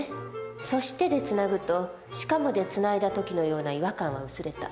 「そして」でつなぐと「しかも」でつないだ時のような違和感は薄れた。